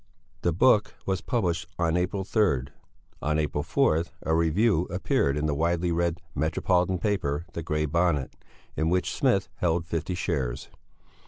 The book was published on April 3. On April 4, a review appeared in the widely read metropolitan paper the Grey Bonnet, in which Smith held fifty shares.